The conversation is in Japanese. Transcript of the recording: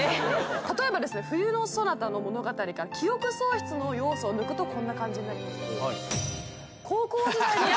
例えばですね『冬のソナタ』の物語から記憶喪失の要素を抜くとこんな感じになります。